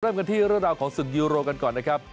เริ่มกันที่เรื่องราวของศึกยูโรกันก่อนนะครับ